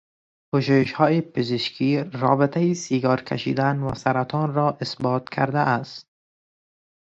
پژوهشهای پزشکی رابطهی سیگار کشیدن و سرطان را اثبات کرده است.